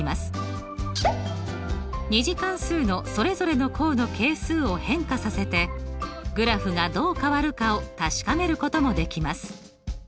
２次関数のそれぞれの項の係数を変化させてグラフがどう変わるかを確かめることもできます。